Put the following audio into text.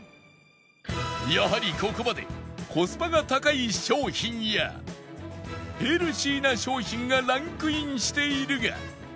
やはりここまでコスパが高い商品やヘルシーな商品がランクインしているが